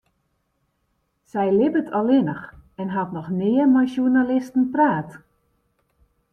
Sy libbet allinnich en hat noch nea mei sjoernalisten praat.